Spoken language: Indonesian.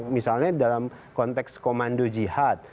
misalnya dalam konteks komando jihad